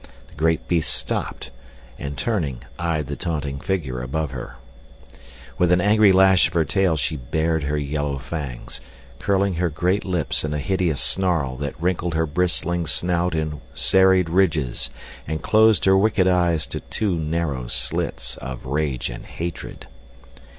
The great beast stopped and, turning, eyed the taunting figure above her. With an angry lash of her tail she bared her yellow fangs, curling her great lips in a hideous snarl that wrinkled her bristling snout in serried ridges and closed her wicked eyes to two narrow slits of rage and hatred.